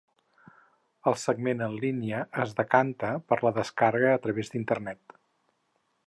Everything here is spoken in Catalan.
El segment en línia es decanta per la descàrrega a través d'Internet.